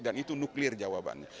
dan itu nuklir jawabannya